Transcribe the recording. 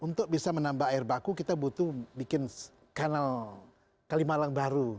untuk bisa menambah air baku kita butuh bikin kanal kalimalang baru